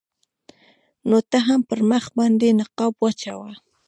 نو ته هم پر مخ باندې نقاب واچوه.